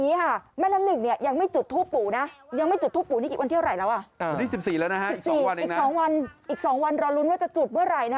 อีก๒วันรอลุ้นว่าจะจุดเมื่อไหร่นะครับ